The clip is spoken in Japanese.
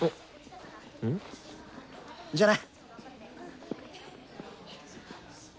じゃあな。